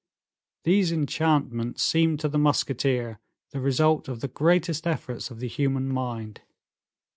These enchantments seemed to the musketeer the result of the greatest efforts of the human mind.